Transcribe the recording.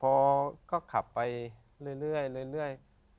พอก็ขับไปเรื่อย